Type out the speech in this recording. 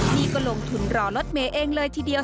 นี่ก็ลงทุนรอรถเมย์เองเลยทีเดียว